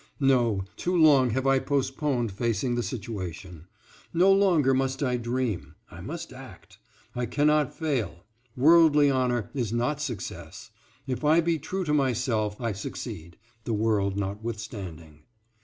No, too long have I postponed facing the situation. No longer must I dream. I must act. I cannot fail; worldly honor is not success. If I be true to myself I succeed, the world notwithstanding.